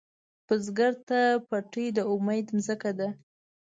بزګر ته پټی د امید ځمکه ده